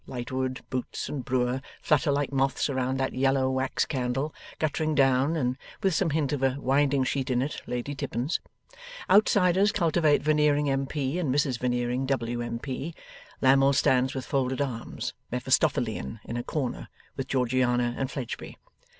Lightwood, Boots, and Brewer, flutter like moths around that yellow wax candle guttering down, and with some hint of a winding sheet in it Lady Tippins. Outsiders cultivate Veneering, M P., and Mrs Veneering, W.M.P. Lammle stands with folded arms, Mephistophelean in a corner, with Georgiana and Fledgeby.